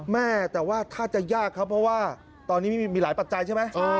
แม่แต่ว่าถ้าจะยากครับเพราะว่าตอนนี้ไม่มีหลายปัจจัยใช่ไหม